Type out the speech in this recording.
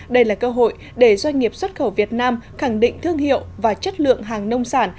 đây là cơ hội để doanh nghiệp xuất khẩu việt nam khẳng định thương hiệu và chất lượng hàng nông sản